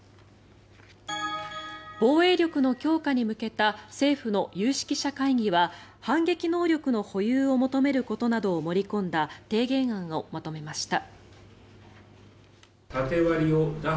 防衛力の強化に向けた政府の有識者会議は反撃能力の保有を求めることなどを盛り込んだ提言案をまとめました。